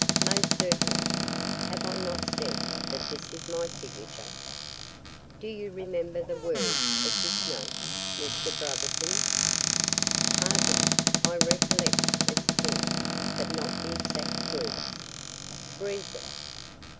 "Most certainly. Have I not said that this is my signature?" "Do you remember the words of this note, Mr. Brotherson?" "Hardly. I recollect its tenor, but not the exact words." "Read them."